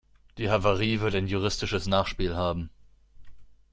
Die Havarie wird ein juristisches Nachspiel haben.